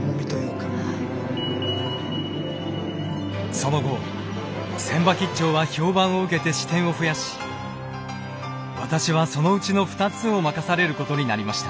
その後船場兆は評判を受けて支店を増やし私はそのうちの２つを任されることになりました。